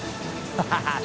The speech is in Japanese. ハハハ